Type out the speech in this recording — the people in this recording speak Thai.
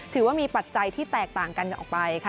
ถือว่ามีปัจจัยที่แตกต่างกันออกไปค่ะ